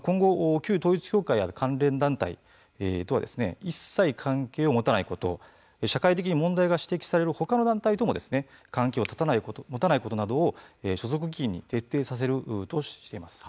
旧統一教会と関連のある団体は一切関係を持たないことを社会的に問題が指摘されるほかの団体とも関係を持たないことなどを所属議員に徹底させるとしています。